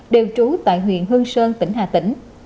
đều trú tại huyện hương sơn tỉnh hà tĩnh